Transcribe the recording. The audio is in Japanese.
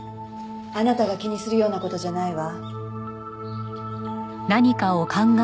あなたが気にするような事じゃないわ。